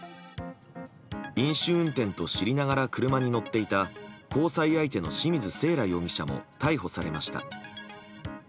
飲酒運転と知りながら車に乗っていた交際相手の清水せいら容疑者も逮捕されました。